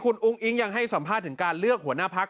คุณอุ้งอิ๊งยังให้สัมภาษณ์ถึงการเลือกหัวหน้าพัก